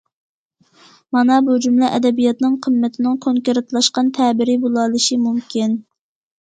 مانا بۇ جۈملە ئەدەبىياتنىڭ قىممىتىنىڭ كونكرېتلاشقان تەبىرى بولالىشى مۇمكىن.